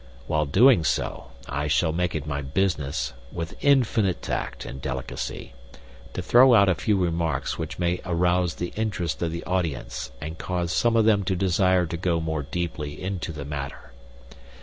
While doing so, I shall make it my business, with infinite tact and delicacy, to throw out a few remarks which may arouse the interest of the audience and cause some of them to desire to go more deeply into the matter.